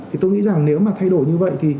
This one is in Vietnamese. thì tôi nghĩ rằng nếu mà thay đổi như vậy thì